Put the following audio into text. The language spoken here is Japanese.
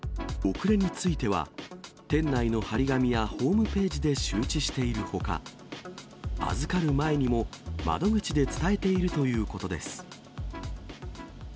遅れについては、店内の貼り紙やホームページで周知しているほか、預かる前にも、窓口で伝えているということです。